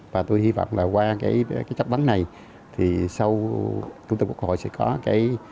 và tôi hy vọng là qua cái chất vấn này thì sau chủ tịch quốc hội sẽ có cái